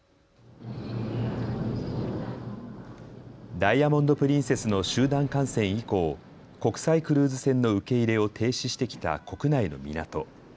ダイヤモンド・プリンセスの集団感染以降、国際クルーズ船の受け入れを停止してきた国内の港。